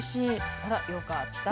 あらよかった。